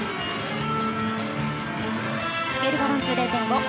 スケールバランス０．５。